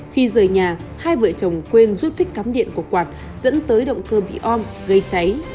khi rời nhà hai vợ chồng quên rút phít cắm điện của quạt dẫn tới động cơ bị ong gây cháy